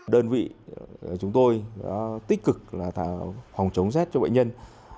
đơn vị chúng tôi tích cực là thảo phòng chống rét cho bệnh nhân